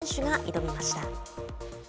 純礼選手が挑みました。